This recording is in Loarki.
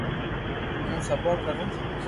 ھون سيوا ڪرو